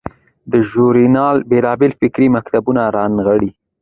دا ژورنال بیلابیل فکري مکتبونه رانغاړي.